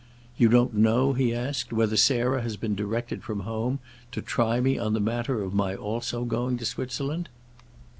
"You don't know," he asked, "whether Sarah has been directed from home to try me on the matter of my also going to Switzerland?"